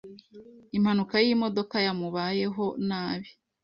Impanuka yimodoka yamubayeho nabi.